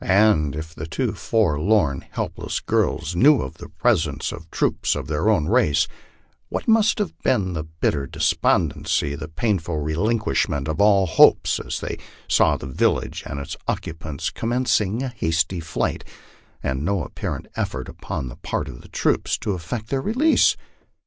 And if the two forlorn, helpless girls knew of the presence of troops of their own race, what must have been the bitter despondency, the painful relinquishment of all hope as they saw the village and its occupants commencing a hasty flight, and no apparent effort upon the part of the troops to effect their release?